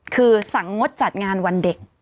คือสั่งงดจัดงานวันเด็ก